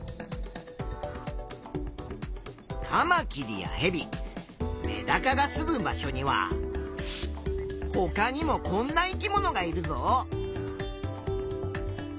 カマキリやヘビメダカがすむ場所にはほかにもこんな生き物がいるぞ。